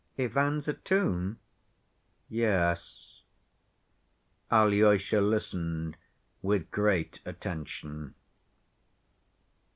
"Ivan's a tomb?" "Yes." Alyosha listened with great attention.